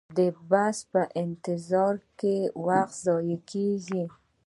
د بس په انتظار کې وخت ضایع کیږي